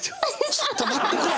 ちょっと待ってくれ！